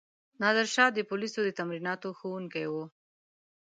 نادرشاه د پولیسو د تمریناتو ښوونکی وو.